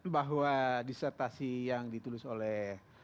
bahwa disertasi yang ditulis oleh